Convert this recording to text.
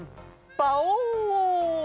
パオン！